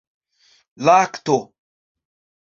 lakto